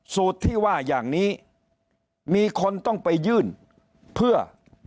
สูตรที่ว่าอย่างนี้มีคนต้องไปยื่นเพื่อ